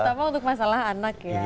terutama untuk masalah anak ya